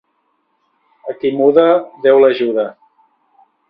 A qui muda, Déu l'ajuda.